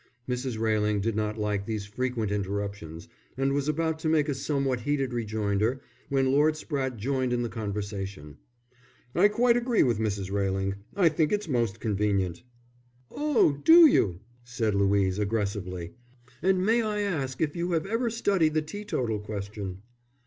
Mrs. Railing did not like these frequent interruptions, and was about to make a somewhat heated rejoinder, when Lord Spratte joined in the conversation. "I quite agree with Mrs. Railing, I think it's most convenient." "Oh, do you?" said Louise, aggressively. "And may I ask if you have ever studied the teetotal question?"